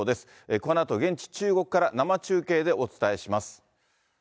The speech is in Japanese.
このあと、現地、中国から生中継でお伝えします。